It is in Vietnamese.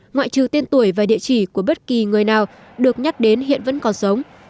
ngoại trừ tiên tuổi và địa chỉ của bất kỳ người nào được nhắc đến hiện vẫn còn sống